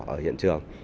ở hiện trường